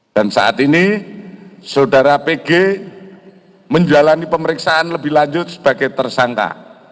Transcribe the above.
dan saat ini jodhara pg menjalani pemeriksaan lebih lanjut sebagai tersangka